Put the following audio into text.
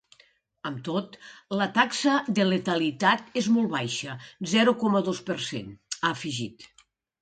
Amb tot, la taxa de letalitat és molt baixa: zero coma dos per cent, ha afegit.